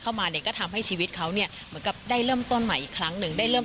ตอนนี้ก็จะเริ่มประสบความสำเร็จได้เรื่อย